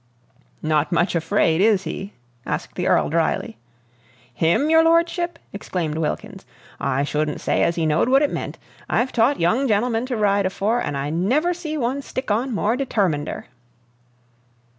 "Not much afraid, is he?" asked the Earl dryly. "Him, your lordship!" exclaimed Wilkins. "I shouldn't say as he knowed what it meant. I've taught young gen'lemen to ride afore, an' I never see one stick on more determinder."